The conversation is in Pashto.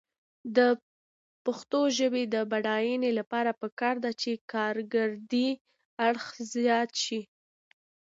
د پښتو ژبې د بډاینې لپاره پکار ده چې کارکردي اړخ زیات شي.